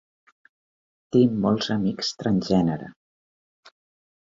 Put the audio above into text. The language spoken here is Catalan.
Tinc molts amics transgènere.